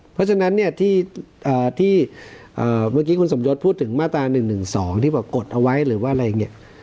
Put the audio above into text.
เพราะฉะนั้นเนี่ยที่เมื่อกี้คุณสมยศพูดถึงมาตรา๑๑๒ที่บอกกดเอาไว้หรือว่าอะไรอย่างนี้